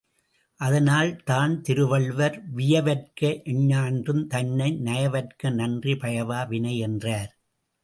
அதனால் தான் திருவள்ளுவர், வியவற்க எஞ்ஞான்றும் தன்னை நயவற்க நன்றி பயவா வினை என்றார்.